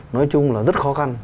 nói chung là rất khó khăn